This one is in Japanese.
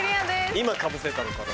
今かぶせたのかな？